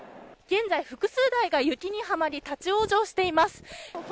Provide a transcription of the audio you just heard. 現在、複数台が雪にはまり立ち往生しています。